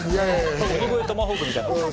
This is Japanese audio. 鬼越トマホークみたい。